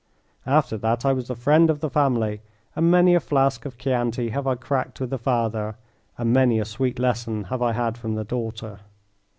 After that I was the friend of the family, and many a flask of Chianti have I cracked with the father and many a sweet lesson have I had from the daughter.